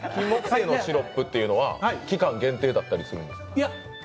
せいのシロップというのは期間限定だったりするんですか？